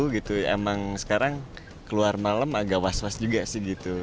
emang sekarang keluar malam agak was was juga sih gitu